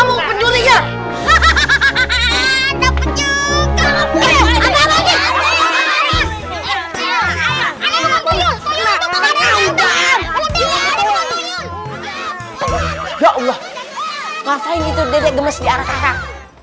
maksudnya itu degan meski another